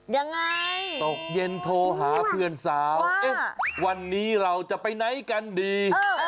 ยังไงตกเย็นโทรหาเพื่อนสาวเอ๊ะวันนี้เราจะไปไหนกันดี